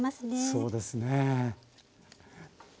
そうですね。